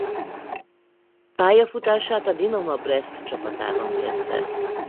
Pályafutását a Dinama Breszt csapatában kezdte.